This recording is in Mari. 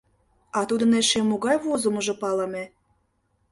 — А тудын эше могай возымыжо палыме?